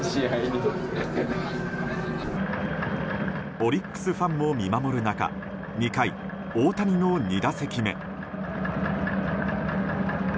オリックスファンも見守る中２回、大谷の２打席目。